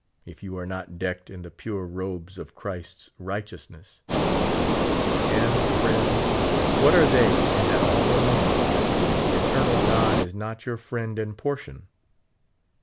if you are not decked in the pure robes of Christ's righteousness ? And, friends, what are they in that awful moment, if the eternal God is not your friend and portion